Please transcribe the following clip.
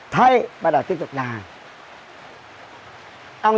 thấy bắt đầu tiếp tục làm